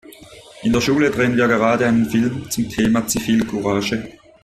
In der Schule drehen wir gerade einen Film zum Thema Zivilcourage.